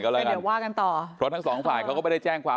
ป้าไม่มีพวกร้านก๋วยเตี๋ยวก็เขาเพิ่งมา